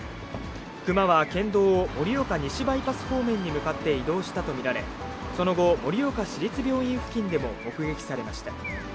熊は県道を盛岡西バイパス方面に向かって移動したと見られ、その後、盛岡市立病院付近でも目撃されました。